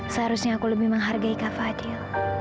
seharusnya aku lebih menghargai kak fadil